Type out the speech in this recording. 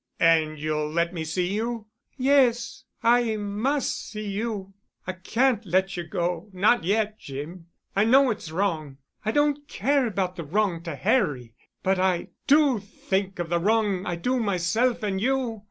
"And you'll let me see you?" "Yes. I must see you. I can't let you go—not yet, Jim. I know it's wrong. I don't care about the wrong to Harry, but I do think of the wrong I do myself and you.